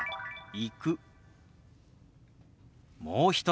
「行く」。